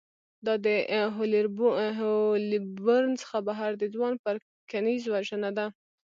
دا د هولبورن څخه بهر د ځوان پرکینز وژنه وه